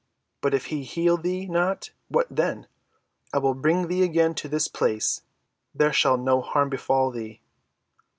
But if he heal thee not, what then? I will bring thee again to this place. There shall no harm befall thee."